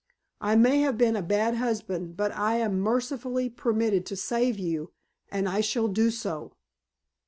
I may have been a bad husband but I am mercifully permitted to save you, and I shall do so."